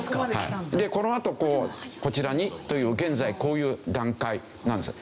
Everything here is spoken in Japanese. でこのあとこうこちらにという現在こういう段階なんですよ。